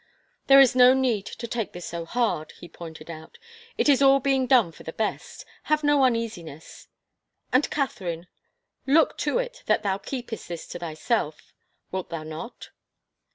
There is no need to take this so hard," he pointed out. It is all being done for the best. Have no uneasi ness. ... And Catherine, look to it that thou keepest this to thyself — wilt thou not